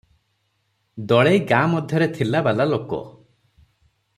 ଦଳେଇ ଗାଁ ମଧ୍ୟରେ ଥିଲାବାଲା ଲୋକ ।